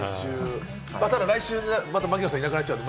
ただ来週、槙野さんがいなくなっちゃうんで。